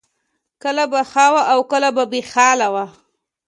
کله به ښه وه او کله به بې حاله وه